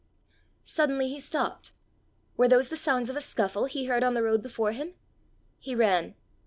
Suddenly he stopped: were those the sounds of a scuffle he heard on the road before him? He ran.